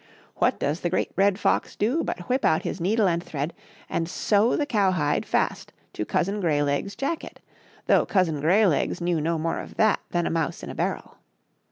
What does the Great Red Fox do but whip out his needle and thread and sew the cowhide fast to Cousin Greylegs* Jacket, though Cousin Greylegs knew no more of that than a mouse in a barrel.